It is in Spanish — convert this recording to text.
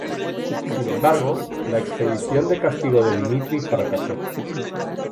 Sin embargo, la expedición de castigo de Dmitri fracasó.